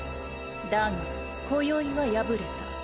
だが今宵は敗れた。